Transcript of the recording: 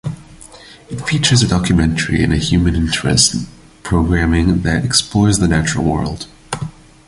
It features documentary and human interest programming that explores the natural world.